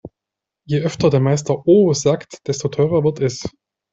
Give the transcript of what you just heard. Je öfter der Meister "oh" sagt, desto teurer wird es.